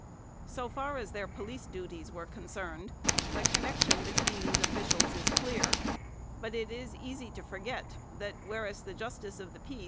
4 So far as their police duties were concerned, the connection between these officials is clear, but it is easy to forget that, whereas the justice *" Close Rolls," Henry III, 1237 1242 ; pp.